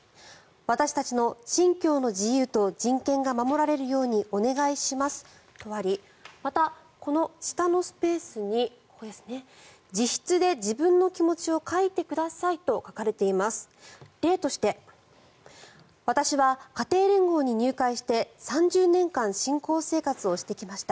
私たちの信教の自由と人権が守られるようにお願いしますとありまた、この下のスペースに自筆で自分の気持ちを書いてくださいと書かれています。